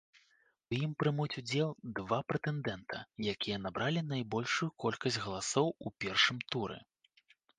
У ім прымуць удзел два прэтэндэнта, якія набралі найбольшую колькасць галасоў у першым туры.